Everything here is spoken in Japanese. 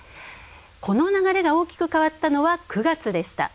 この流れが大きく変わったのは、９月でした。